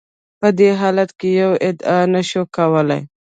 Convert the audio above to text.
په دې حالت کې یوه ادعا نشو کولای.